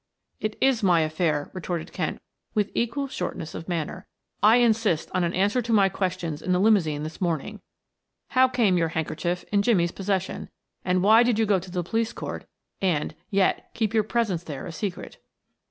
"It is my affair," retorted Kent with equally shortness of manner. "I insist on an answer to my questions in the limousine this morning. How came your handkerchief in Jimmie's possession, and why did you go to the police court and, yet keep your presence there a secret?"